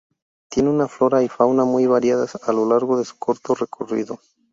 Tiene una flora y fauna muy variadas a lo largo de su corto recorrido.